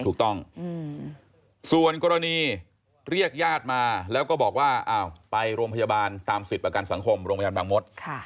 ถูกต้องส่วนกรณีเรียกญาติมาแล้วก็บอกว่าอ้าวไปโรงพยาบาลตามสิทธิ์ประกันสังคมโรงพยาบาลบางมด